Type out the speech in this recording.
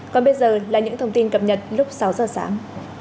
còn bây giờ là những thông tin cập nhật lúc sáu giờ sáng